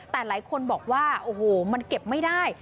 แต่หลายคนบอกว่าโอ้โหมันเก็บไม่ได้